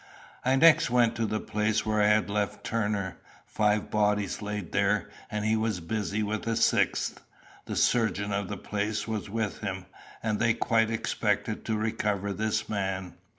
I next went to the place where I had left Turner. Five bodies lay there, and he was busy with a sixth. The surgeon of the place was with him, and they quite expected to recover this man.